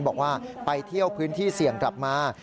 บอกว่าไปเที่ยวพื้นที่เสี่ยงกลับมา